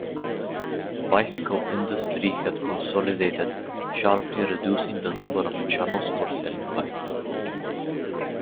Bicycle industry had consolidated, sharply reducing the number of channels for selling bikes.